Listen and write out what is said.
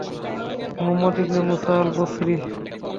মুহাম্মদ ইবনে মুসা আল-বসরি